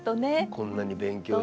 こんなに勉強して。